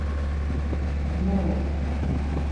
Moro!